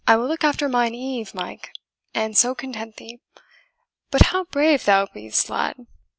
I will look after mine Eve, Mike, and so content thee. But how brave thou be'st, lad!